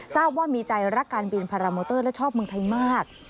ทราบว่ามีใจรักการบินพารามอเตอร์และชอบเมืองไทยมาก